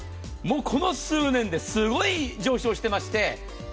この数年ですごい上昇してまして。